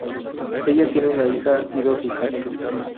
Ella tiene una hija y dos hijastros.